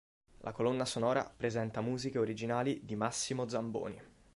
La colonna sonora presenta musiche originali di Massimo Zamboni.